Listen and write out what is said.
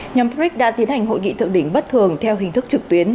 nhóm pric đã tiến hành hội nghị thượng đỉnh bất thường theo hình thức trực tuyến